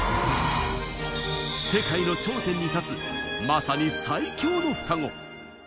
世界の頂点に立つまさに最強の双子。